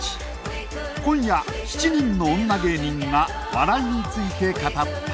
今夜７人の女芸人が笑いについて語った。